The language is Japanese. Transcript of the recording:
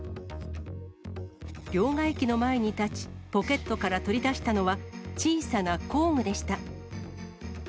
両替機の前に立ち、ポケットから取り出したのは小さな工具でした。